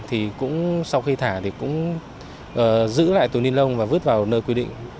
thì cũng sau khi thả thì cũng giữ lại túi ni lông và vứt vào nơi quy định